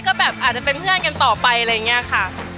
ก็แบบอาจจะเป็นเพื่อนกันต่อไปอะไรอย่างนี้ค่ะ